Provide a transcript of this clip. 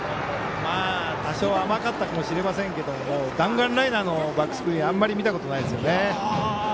多少、甘かったかもしれませんけども弾丸ライナーのバックスクリーンあんまり見たことないですよね。